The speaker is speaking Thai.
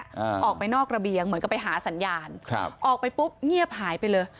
อ่าออกไปนอกระเบียงเหมือนกับไปหาสัญญาณครับออกไปปุ๊บเงียบหายไปเลย